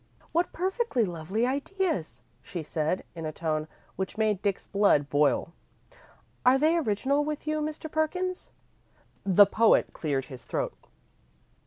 "What perfectly lovely ideas," she said, in a tone which made Dick's blood boil. "Are they original with you, Mr. Perkins?" The poet cleared his throat.